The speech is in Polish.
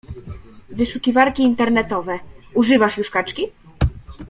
Wyszukiwarki internetowe: używasz już kaczki?